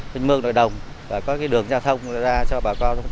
tình mương nội đồng và có cái đường giao thông ra cho bà con chúng ta bình thường hóa